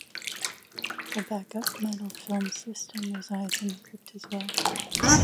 A backup metal film system resides in the crypt as well.